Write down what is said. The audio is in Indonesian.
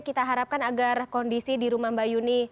kita harapkan agar kondisi di rumah mbak yuni